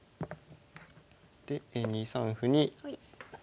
で２三歩に。